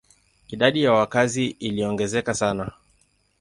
Idadi ya wakazi iliongezeka sana.